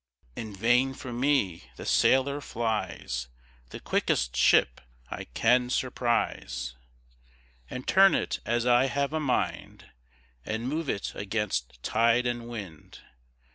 In vain from me the sailor flies, The quickest ship I can surprise, And turn it as I have a mind, And move it against tide and wind.